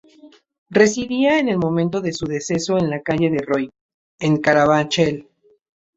Residía en el momento de su deceso en la calle de Roy, en Carabanchel.